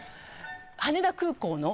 羽田空港の？